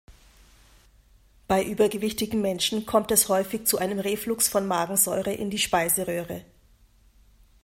Bei übergewichtigen Menschen kommt es häufig zu einem Reflux von Magensäure in die Speiseröhre.